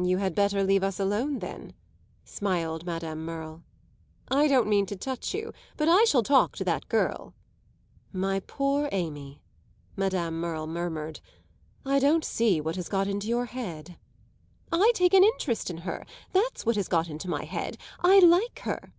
"You had better leave us alone then," smiled Madame Merle. "I don't mean to touch you but I shall talk to that girl." "My poor Amy," Madame Merle murmured, "I don't see what has got into your head." "I take an interest in her that's what has got into my head. I like her."